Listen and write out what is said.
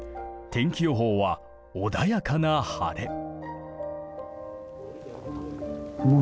天気予報は穏やかな晴れ。